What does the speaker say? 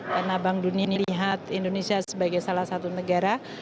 karena bank dunia melihat indonesia sebagai salah satu negara